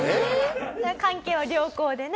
関係は良好でね